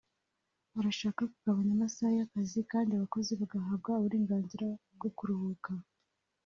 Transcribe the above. arashaka kugabanya amasaha y’akazi kandi abakozi bagahabwa uburenganzira bwo kuruhuka